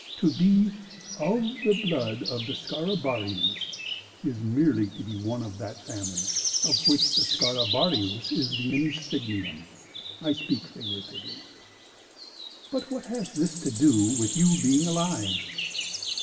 To be 'of the blood of the Scarabaeus,' is merely to be one of that family of which the Scarabaeus is the insignium. I speak figuratively." "But what has this to do with you being alive?"